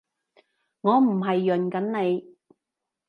我唔係潤緊你